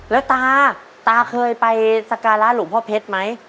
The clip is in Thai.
แล้วตาตาเคยไปสการะหลวงพ่อเพชรไหม